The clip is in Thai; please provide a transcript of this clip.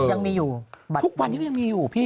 ยังมีอยู่ยังมีอยู่